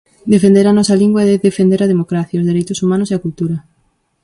Defender a nosa lingua é defender a democracia, os dereitos humanos e a cultura.